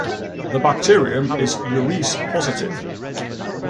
The bacterium is urease positive.